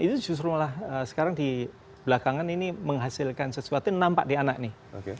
itu justru malah sekarang di belakangan ini menghasilkan sesuatu yang nampak di anak nih